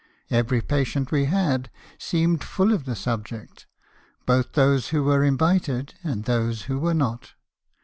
Every patient we had seemed full of the subject; both those who were invited and tho§e who were not.